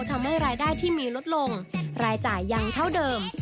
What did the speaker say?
ทำให้รายได้ที่มีลดลงรายจ่ายยังเท่าเดิม